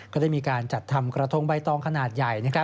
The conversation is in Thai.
ก็ได้มีการจัดทำกระทงใบตองขนาดใหญ่